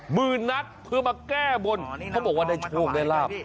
หมื่นนัดเพื่อมาแก้บนเขาบอกว่าได้โชคได้ลาบ